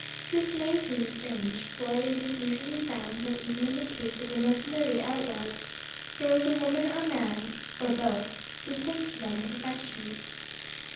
This may seem strange, for it is usually found that even in the case of the most noted outlaws there is a woman or a man, or both who cling to them with affection.